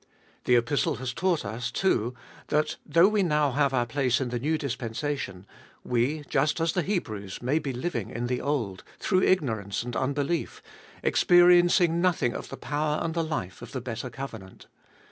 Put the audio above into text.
The Epistle has taught us, too, that though we now have our place in the new dispensation, we, just as the Hebrews, may be living in the old, through ignorance and un belief, experiencing nothing of the power and the life of the better covenant.